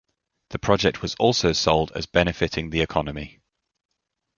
The project was also sold as benefiting the economy.